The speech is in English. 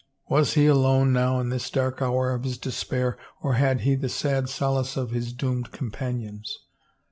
... Was he alone now in this dark hour of his despair or had he the sad solace of his doomed companions